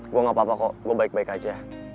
gue gak apa apa kok gue baik baik aja